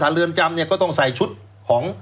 เรือนจำเนี่ยก็ต้องใส่ชุดของ